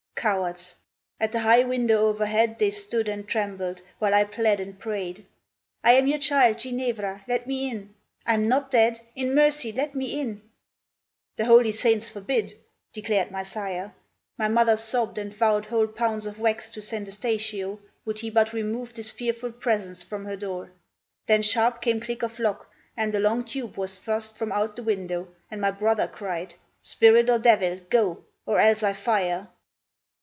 Cowards! At the high window overhead They stood and trembled, while I plead and prayed: "I am your child, Ginevra. Let me in! I am not dead. In mercy, let me in!" "The holy saints forbid!" declared my sire. My mother sobbed and vowed whole pounds of wax To St. Eustachio, would he but remove This fearful presence from her door. Then sharp Came click of lock, and a long tube was thrust From out the window, and my brother cried, "Spirit or devil, go! or else I fire!"